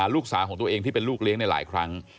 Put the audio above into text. ลูกสาวของตัวเองที่เป็นลูกเลี้ยงในหลายครั้ง